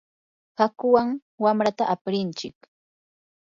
hakuwan wamrata aprinchik.